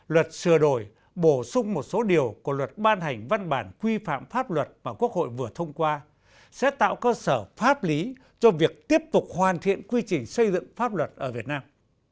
luật sửa đổi bổ sung một số điều của luật ban hành văn bản quy phạm pháp luật mà quốc hội vừa thông qua sẽ tạo cơ sở pháp lý cho việc tiếp tục hoàn thiện quy trình xây dựng pháp luật ở việt nam